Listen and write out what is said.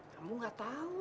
kamu tidak tahu